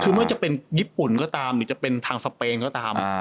คือไม่ว่าจะเป็นญี่ปุ่นก็ตามหรือจะเป็นทางสเปนก็ตาม